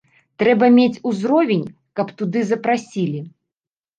Трэба мець узровень, каб туды запрасілі.